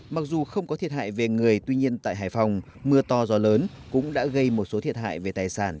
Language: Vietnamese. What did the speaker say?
mặc dù không có thiệt hại về người tuy nhiên tại hải phòng mưa to gió lớn cũng đã gây một số thiệt hại về tài sản